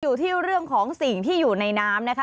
อยู่ที่เรื่องของสิ่งที่อยู่ในน้ำนะคะ